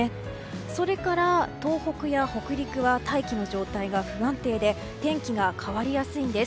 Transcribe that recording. それから東北や北陸は大気の状態が不安定で天気が変わりやすいんです。